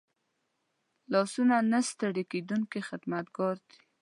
لاسونه نه ستړي کېدونکي خدمتګار دي